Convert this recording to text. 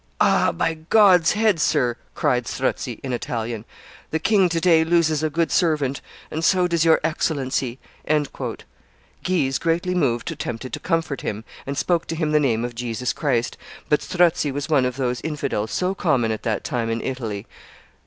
"Ah! by God's head, sir," cried Strozzi, in Italian, "the king to day loses a good servant, and so does your excellency." Guise, greatly moved, attempted to comfort him, and spoke to him the name of Jesus Christ; but Strozzi was one of those infidels so common at that time in Italy.